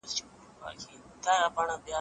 سوداګرو وويل چې عرضه بايد لوړه سي.